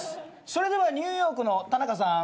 「それではニューヨークのタナカさん？